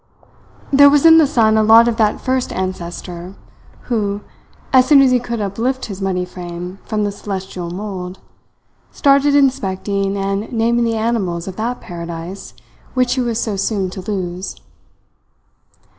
There was in the son a lot of that first ancestor who, as soon as he could uplift his muddy frame from the celestial mould, started inspecting and naming the animals of that paradise which he was so soon to lose.